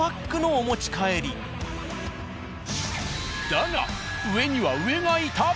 だが上には上がいた。